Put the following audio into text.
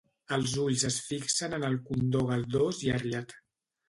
Els ulls es fixen en el condó galdós i arriat.